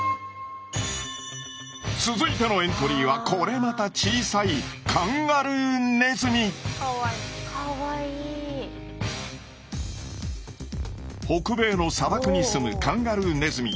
続いてのエントリーはこれまた小さい北米の砂漠にすむカンガルーネズミ。